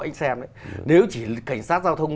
anh xem đấy nếu chỉ cảnh sát giao thông